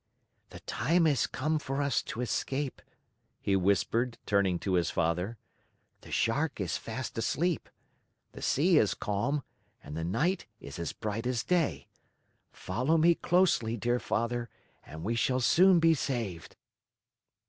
"The time has come for us to escape," he whispered, turning to his father. "The Shark is fast asleep. The sea is calm and the night is as bright as day. Follow me closely, dear Father, and we shall soon be saved."